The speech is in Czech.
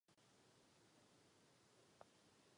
Existence selské republiky tím byla definitivně ukončená.